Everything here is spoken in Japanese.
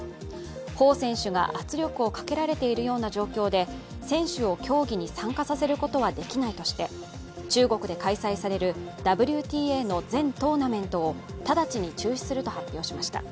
彭選手が圧力をかけられているような状況で選手を競技に参加させることはできないとして中国で開催されるＷＴＡの全トーナメントを直ちに中止すると発表しました。